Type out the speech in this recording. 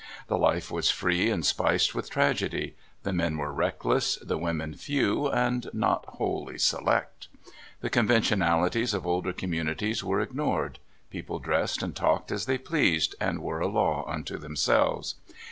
The life was free and spiced with tragedy. The men were reckless, the women few and not wholly select. The convemionalities of older commu nities were ignored. People dressed and talked as they pleased, and were a law unto themselves.